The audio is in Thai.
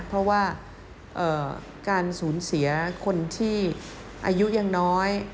เพราะว่าการสูญเสียคนที่อายุยังน้อย